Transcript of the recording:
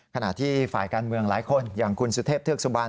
ขณะที่ฝ่ายการเมืองหลายคนอย่างคุณสุเทพเทือกสุบัน